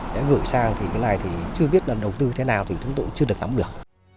để gửi sang thì cái này thì chưa biết là đầu tư thế nào thì chúng tôi cũng chưa được nắm được